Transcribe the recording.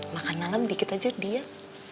makan malam sedikit saja diet